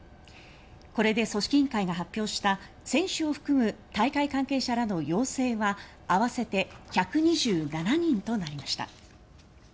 これで組織委員会が発表した選手を含む大会関係者らの陽性は合わせて１２７人となりました。